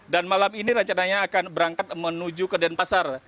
dan malam ini rencananya akan berangkat menuju ke denpasar